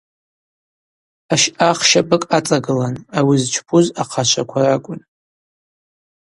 Ащъа хщапӏыкӏ ацӏагылан, ауи зчпуз ахъачваква ракӏвын.